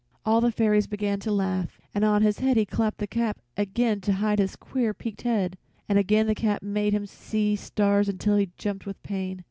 All the fairies began to laugh, and on his head he clapped the cap again to hide his queer peaked head, and again the cap made him see stars until he jumped with pain.